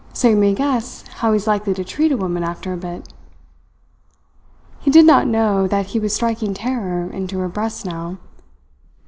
So you may guess how he's likely to treat a woman after a bit!" He did not know that he was striking terror into her breast now.